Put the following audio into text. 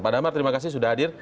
pak damar terima kasih sudah hadir